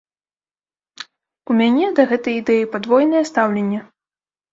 У мяне да гэтай ідэі падвойнае стаўленне.